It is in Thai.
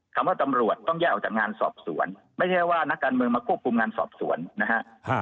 ตำรวจต้องแยกออกจากงานสอบสวนไม่ใช่ว่านักการเมืองมาควบคุมงานสอบสวนนะฮะ